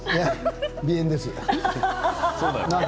鼻炎です。